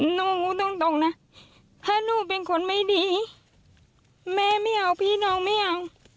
หนูพูดตรงนะถ้าหนูเป็นคนไม่ดีแม่ไม่เอาพี่น้องไม่เอา